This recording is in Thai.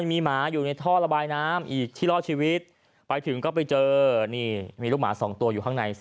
มีหมาอยู่ในท่อระบายน้ำอีกที่รอดชีวิตไปถึงก็ไปเจอนี่มีลูกหมาสองตัวอยู่ข้างใน